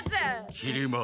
きり丸。